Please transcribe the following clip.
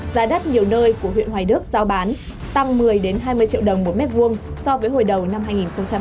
giá đất nhiều nơi của huyện hoài đức giao bán tăng một mươi hai mươi triệu đồng một mét vuông so với hồi đầu năm hai nghìn một mươi chín